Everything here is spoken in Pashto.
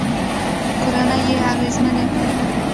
کورنۍ يې اغېزمنې کړې